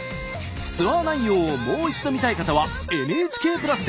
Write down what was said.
ツアー内容をもう一度見たい方はＮＨＫプラスで。